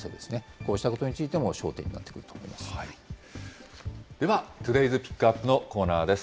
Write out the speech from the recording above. こうしたことについても焦点になでは、トゥデイズ・ピックアップのコーナーです。